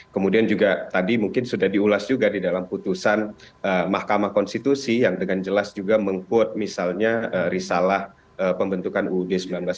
kemudian juga tadi mungkin sudah diulas juga di dalam putusan mahkamah konstitusi yang dengan jelas juga meng quote misalnya risalah pembentukan uud seribu sembilan ratus empat puluh